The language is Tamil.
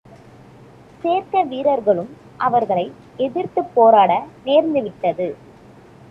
சிரேக்க வீரர்களும் அவர்களை எதிர்த்துப் போராட நேர்ந்துவிட்டது.